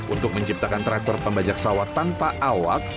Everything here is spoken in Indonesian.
untuk menciptakan traktor pembajak sawah tanpa awak